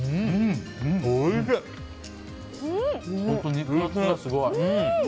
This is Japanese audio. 肉厚がすごい。